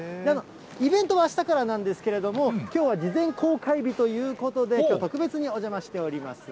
イベントはあしたからなんですけども、きょうは事前公開日ということで、きょう、特別にお邪魔しております。